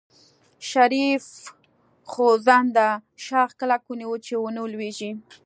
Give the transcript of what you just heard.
شريف خوځنده شاخ کلک ونيو چې ونه لوېږي.